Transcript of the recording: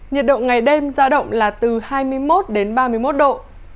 nhiệt độ ngày đêm giao động là từ hai mươi một đến ba mươi một độ